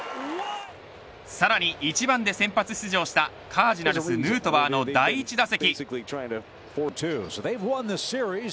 さらに１番で先発出場したカージナルス、ヌートバーの第１打席。